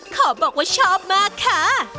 ขอบอกว่าชอบมากค่ะ